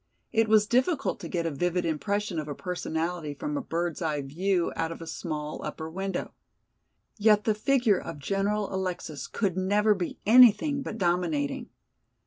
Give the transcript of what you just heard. It was difficult to get a vivid impression of a personality from a bird's eye view out of a small upper window. Yet the figure of General Alexis could never be anything but dominating.